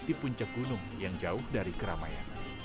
di puncak gunung yang jauh dari keramaian